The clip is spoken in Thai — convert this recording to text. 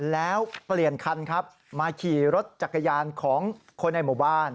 แล้วเปลี่ยนคันครับมาขี่รถจักรยานของคนในหมู่บ้าน